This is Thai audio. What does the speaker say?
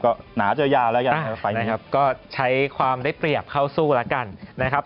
ก็หนาเจอยาวแล้วกันไปนะครับก็ใช้ความได้เปรียบเข้าสู้แล้วกันนะครับ